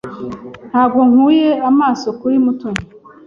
Ntabwo nkuye amaso kuri Mutoni.